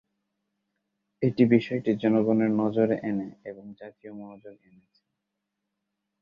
এটি বিষয়টি জনগণের নজরে এনে এবং জাতীয় মনোযোগ এনেছে।